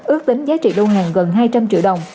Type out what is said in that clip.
ước tính giá trị đô hàng gần hai trăm linh triệu đồng